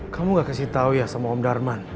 kamu gak kasih tau ya sama om darman